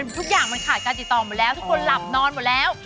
ทุกอย่างมันขาดการติดต่อหมดแล้วทุกคนหลับนอนหมดแล้ว